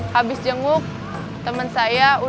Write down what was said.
habis jenguk temen saya udah seminggu